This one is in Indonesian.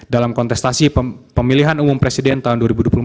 dalam kontestasi pemilihan umum presiden tahun dua ribu dua puluh empat